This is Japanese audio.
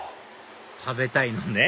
食べたいのね